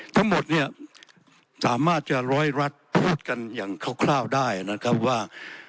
ทั้งหมดเนี่ยสามารถจะร้อยรัฐพูดกันอย่างคร่าวได้นะครับว่า